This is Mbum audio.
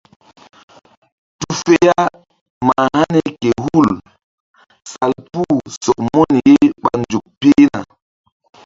Tu fe ya ma hani ke hul salpu sɔk mun ye ɓa nzuk pihna.